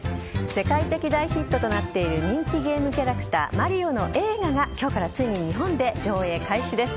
世界的大ヒットとなっている人気ゲームキャラクターマリオの映画が今日からついに日本で上映開始です。